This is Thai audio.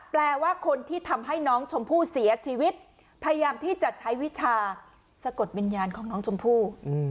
แปลว่าคนที่ทำให้น้องชมพู่เสียชีวิตพยายามที่จะใช้วิชาสะกดวิญญาณของน้องชมพู่